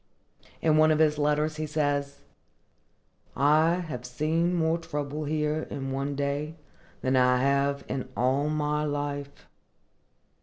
In one of his letters he says, "I have seen more trouble here in one day than I have in all my life."